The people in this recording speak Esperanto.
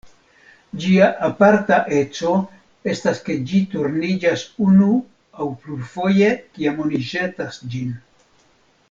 Ĝia aparta eco estas ke ĝi turniĝas unu aŭ plurfoje kiam oni ĵetas ĝin.